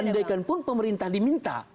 andaikan pun pemerintah diminta